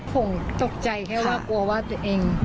ผมตกใจแค่ว่ากลัวว่าตัวเอง